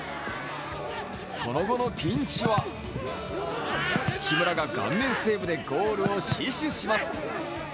その後のピンチは木村が顔面セーブでゴールを死守します。